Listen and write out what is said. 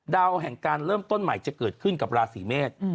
แห่งการเริ่มต้นใหม่จะเกิดขึ้นกับราศีเมษ